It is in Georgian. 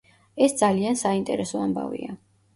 ეს ძალიან საინტერესო ამბავია.